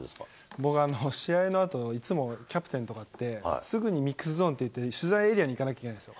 僕、試合のあと、いつもキャプテンとかって、すぐに、ミックスゾーンっていって、取材エリアに行かなきゃいけないんですよ。